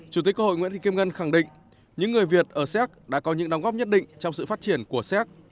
chủ tịch cơ hội nguyễn thị kim ngân khẳng định những người việt ở xéc đã có những đóng góp nhất định trong sự phát triển của xéc